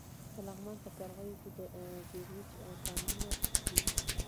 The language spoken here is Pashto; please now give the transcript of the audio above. د لغمان په قرغیو کې د بیروج کانونه دي.